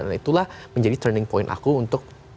dan itulah menjadi turning point aku untuk